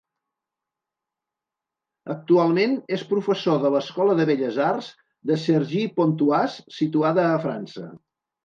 Actualment és professor de l'Escola de Belles Arts de Cergy-Pontoise, situada a França.